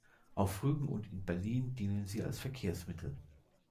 Auf Rügen und in Berlin dienen sie als Verkehrsmittel.